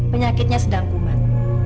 penyakitnya sedang kuman